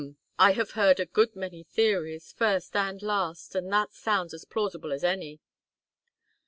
"Hm. I have heard a good many theories, first and last, and that sounds as plausible as any."